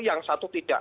yang satu tidak